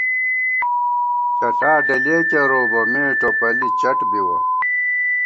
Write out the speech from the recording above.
چٹا ڈلِیَہ کېروؤ بہ ، مے ٹوپَلی چٹ بِوَہ